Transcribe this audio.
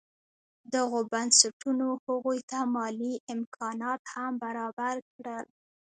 دغو بنسټونو هغوی ته مالي امکانات هم برابر کړل.